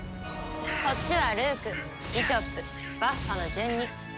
「こっちはルークビショップバッファの順に」